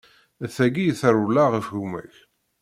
D tagi i tarewla ɣef gma-k.